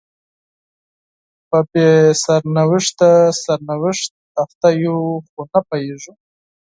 په بې سرنوشته سرنوشت اخته یو خو نه پوهیږو